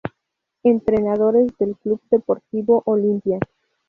Entrenadores del Club Deportivo Olimpia